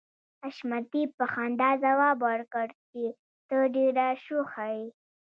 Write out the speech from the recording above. حشمتي په خندا ځواب ورکړ چې ته ډېره شوخه يې